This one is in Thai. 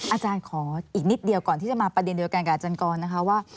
อาจารย์ขออีกนิดเดียวก่อนที่จะมาประเด็นเดียวกันกับอาจารย์กรนะคะว่า